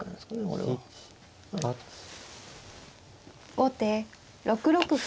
後手６六歩。